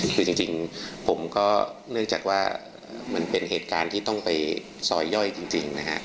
คือจริงผมก็เนื่องจากว่ามันเป็นเหตุการณ์ที่ต้องไปซอยย่อยจริงนะฮะ